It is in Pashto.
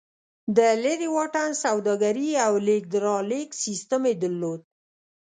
د لېرې واټن سوداګري او لېږد رالېږد سیستم یې درلود